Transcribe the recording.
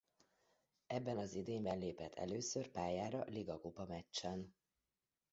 Ebben az idényben lépett először pályára ligakupa-meccsen.